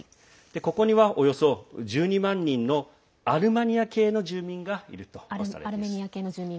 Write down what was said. ここには、およそ１２万人のアルメニア系の住民がいるとされています。